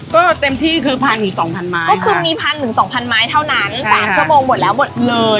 ก็คือมี๑๐๐๐๒๐๐๐ไม้เท่านั้น๓ชั่วโมงหมดแล้วหมดเลย